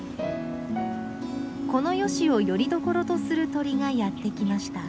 このヨシをよりどころとする鳥がやって来ました。